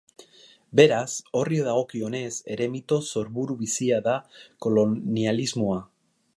Beraz, horri dagokionez ere mito sorburu bizia da kolonialismoa.